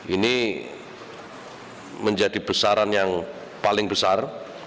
ini menjadi besaran yang paling besar